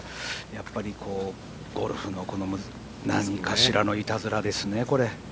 やっぱりゴルフの何かしらのいたずらですね、これ。